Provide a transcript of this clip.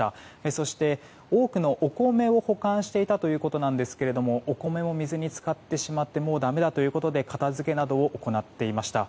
そして多くのお米を保管していたということですがお米も水に浸かってしまってもうだめだということで片付けなどを行っていました。